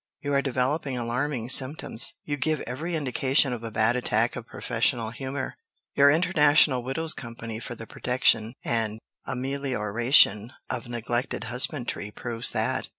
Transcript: "You are developing alarming symptoms. You give every indication of a bad attack of professional humor. Your 'International Widows Company for the Protection and Amelioration of Neglected Husbandry' proves that!"